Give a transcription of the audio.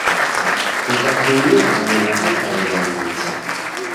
Kukatumia huw'u kukaiaa nicha.